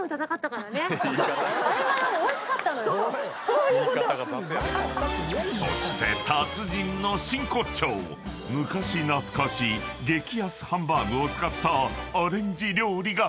［そして達人の真骨頂昔懐かしい激安ハンバーグを使ったアレンジ料理が］